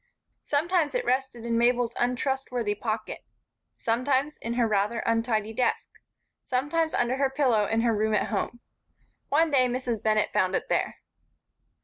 Sometimes it rested in Mabel's untrustworthy pocket, sometimes in her rather untidy desk, sometimes under her pillow in her own room at home. One day Mrs. Bennett found it there.